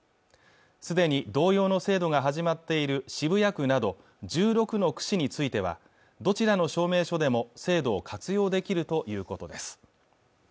すでに同様の制度が始まっている渋谷区など１６の区市についてはどちらの証明書でも制度を活用できるということです